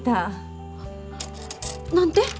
何て？